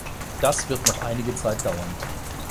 Das wird noch einige Zeit dauern.